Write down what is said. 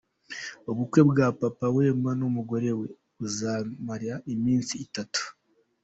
Ubukwe bwa Papa Wemba n’umugore we, buzamara iminsi itatu.